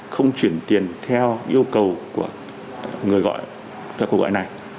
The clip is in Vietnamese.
không chuyển tiền theo yêu cầu của người gọi theo cuộc gọi này